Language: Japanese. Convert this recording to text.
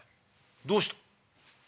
どうした。